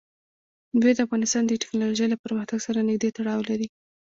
مېوې د افغانستان د تکنالوژۍ له پرمختګ سره نږدې تړاو لري.